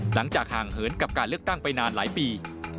หลังจากห่างเหินกับการเลือกตั้งไปนานหลายปี